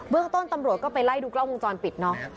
เวิร์คต้นตำรวจก็ไปไล่ดูกล้องมุมจรปิดเนอะ